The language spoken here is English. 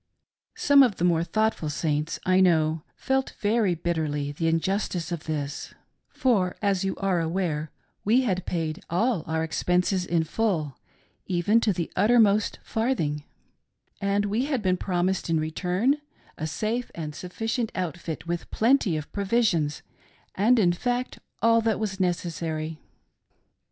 Some of the more thoughtful Saints, I know, felt very bitterly thfc injustice of this, for, as you are aware, we had paid a// our ex penses in full — even to the uttermost farthing ; and we bad "been promised in return a safe and sufficient outfit with plerftjr •of provisions, and in fact all that was necessary.